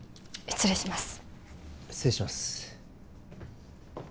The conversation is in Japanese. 失礼します